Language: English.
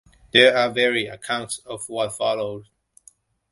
There are varied accounts of what followed.